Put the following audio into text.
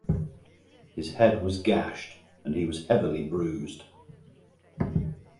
His head was gashed and he was heavily bruised.